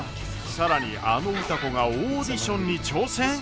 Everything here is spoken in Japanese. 更にあの歌子がオーディションに挑戦！？